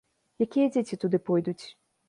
Якія дзеці туды пойдуць?